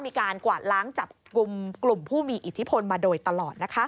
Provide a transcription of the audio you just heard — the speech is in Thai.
ก็มีการกวาดล้างจับกลุ่มผู้มีอิทธิพลมาโดยตลอดนะคะ